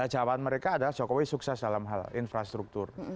jawaban mereka adalah jokowi sukses dalam hal infrastruktur